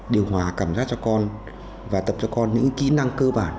điều hòa cảm giác cho con và tập cho con những kỹ năng cơ bản